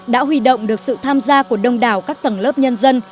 đã huy động được sự tham gia của đông đảo các tầng lớp nhân dân